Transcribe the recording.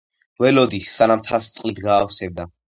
ველოდი, სანამ თასს წყლით გაავსებდა.